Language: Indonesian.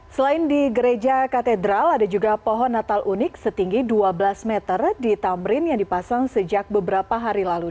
selain di gereja katedral ada juga pohon natal unik setinggi dua belas meter di tamrin yang dipasang sejak beberapa hari lalu